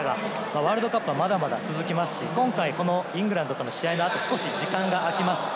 ワールドカップはまだまだ続きますし、イングランドとの試合のあと少し時間が空きます。